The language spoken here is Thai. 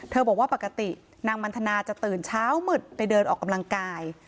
บอกว่าปกตินางมันทนาจะตื่นเช้ามืดไปเดินออกกำลังกาย